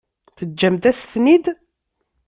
Teǧǧamt-as-ten-id?